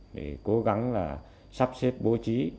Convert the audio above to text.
để cố gắng sắp xếp bố trí